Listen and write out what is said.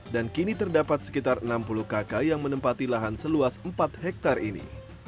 dan kini terdapat sekitar enam puluh kakak yang menempati lahan seluas empat hektare ini